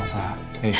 gak usah ya